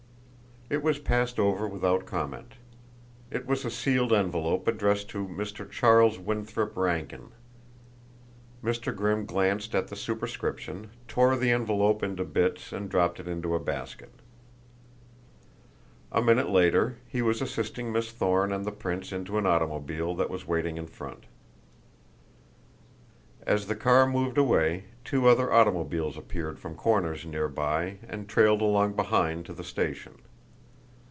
It was passed over without comment. It was a sealed envelope addressed to Mr. Charles Winthrop Rankin. Mr. Grimm glanced at the superscription, tore the envelope into bits and dropped it into a basket. A minute later he was assisting Miss Thorne and the prince into an automobile that was waiting in front. As the car moved away two other automobiles appeared from corners near by and trailed along behind to the station.